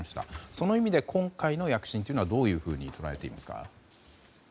その意味で今回の躍進というのはどういうふうに捉えていますか？